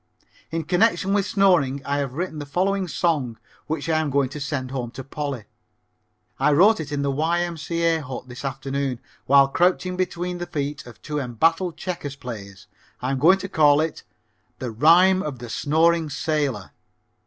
In connection with snoring I have written the following song which I am going to send home to Polly. I wrote it in the Y.M.C.A. Hut this afternoon while crouching between the feet of two embattled checker players. I'm going to call it "The Rhyme of the Snoring Sailor."